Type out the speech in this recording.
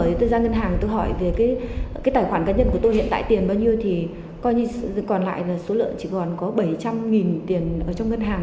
tôi ra ngân hàng tôi hỏi về cái tài khoản cá nhân của tôi hiện tại tiền bao nhiêu thì coi như còn lại là số lượng chỉ còn có bảy trăm linh tiền ở trong ngân hàng